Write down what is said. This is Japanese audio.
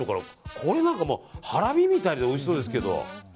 これなんかハラミみたいでおいしそうですけど。